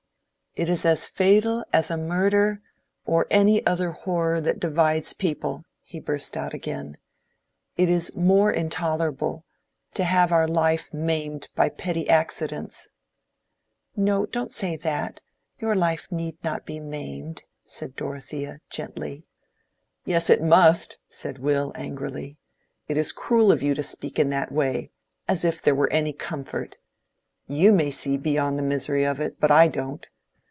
"It is as fatal as a murder or any other horror that divides people," he burst out again; "it is more intolerable—to have our life maimed by petty accidents." "No—don't say that—your life need not be maimed," said Dorothea, gently. "Yes, it must," said Will, angrily. "It is cruel of you to speak in that way—as if there were any comfort. You may see beyond the misery of it, but I don't.